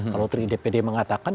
kalau dpd mengatakan